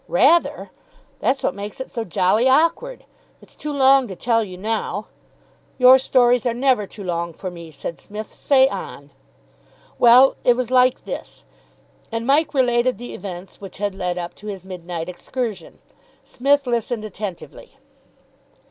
"Rather. That's what makes it so jolly awkward. It's too long to tell you now " "Your stories are never too long for me," said Psmith. "Say on!" "Well, it was like this." And Mike related the events which had led up to his midnight excursion. Psmith listened attentively.